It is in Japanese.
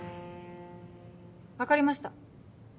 分かりました。